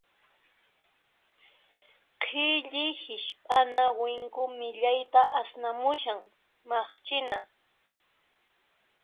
Qhilli hisp'ana winku millayta asnamushan, maqchina.